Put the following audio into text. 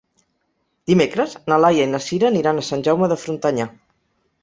Dimecres na Laia i na Sira aniran a Sant Jaume de Frontanyà.